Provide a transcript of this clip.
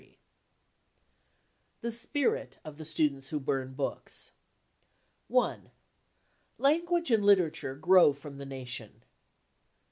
The cc Spirit " of the Students who bum books. 1. Language and literature grow from the nation.